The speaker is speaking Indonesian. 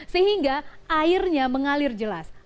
sehingga airnya mengalir jelas